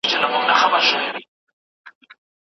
سل عزرائیل وشړم څوک خو به څه نه وايي